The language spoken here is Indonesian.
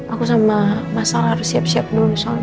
aku sama mas al harus siap siap dulu soalnya